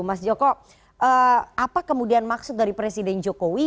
mas joko apa kemudian maksud dari presiden jokowi